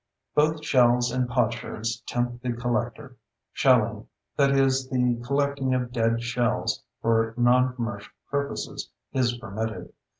Both shells and potsherds tempt the collector. Shelling—that is, the collecting of dead shells, for noncommercial purposes—is permitted.